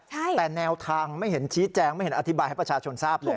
แต่แนวทางไม่เห็นชี้แจงไม่เห็นอธิบายให้ประชาชนทราบเลย